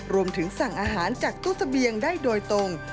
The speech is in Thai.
รวมถึงสั่งอาหารจากตู้เสบียงได้โดยตรง